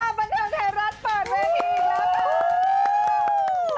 บันเทิงไทยรัฐเปิดเวทีอีกแล้วค่ะ